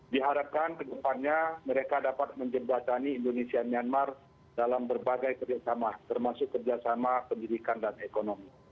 diharapkan ke depannya mereka dapat menjembatani indonesia myanmar dalam berbagai kerjasama termasuk kerjasama pendidikan dan ekonomi